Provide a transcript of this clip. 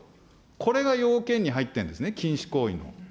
これが要件に入ってるんですね、禁止行為の。